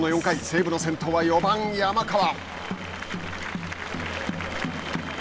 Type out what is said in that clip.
西武の先頭は４番山川。